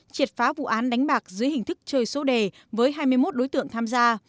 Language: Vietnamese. triệt phá vụ án đánh bạc dưới hình thức chơi số đề với hai mươi một đối tượng tham gia